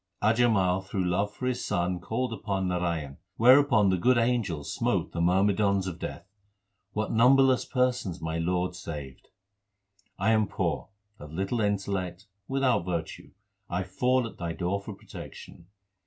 Ajamal through love for his son called upon Narayan, whereupon the good angels smote the myrmidons of Death. What numberless persons my Lord saved ! I am poor, of little intellect, without virtue ; I fall at Thy door for protection.